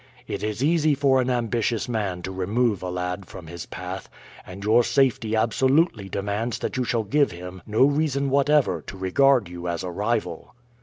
It is easy for an ambitious man to remove a lad from his path, and your safety absolutely demands that you shall give him no reason whatever to regard you as a rival.